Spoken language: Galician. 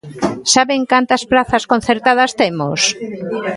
¿Saben cantas prazas concertadas temos?